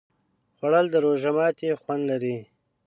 خوړل د روژه ماتي خوند لري